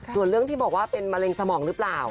ส่วนเรื่องที่บอกว่าเป็นมะเร็งสมองหรือเปล่า